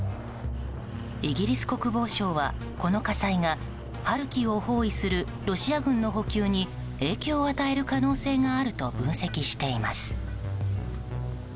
イギリス国防省はこの火災がハルキウを包囲するロシア軍の補給に影響を与える可能性があると分析しています。